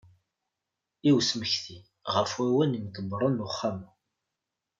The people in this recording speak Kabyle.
I usmekti, ɣef wawal n yimḍebbren n Uxxam-a.